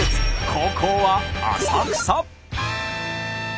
後攻は浅草。